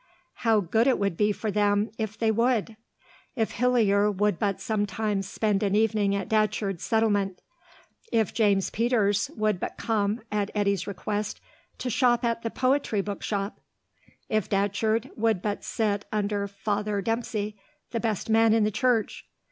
How good it would be for them if they would; if Hillier would but sometimes spend an evening at Datcherd's settlement; if James Peters would but come, at Eddy's request, to shop at the Poetry Bookshop; if Datcherd would but sit under Father Dempsey, the best man in the Church!